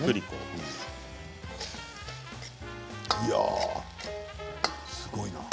いや、すごいな。